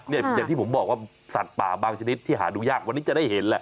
อย่างที่ผมบอกว่าสัตว์ป่าบางชนิดที่หาดูยากวันนี้จะได้เห็นแหละ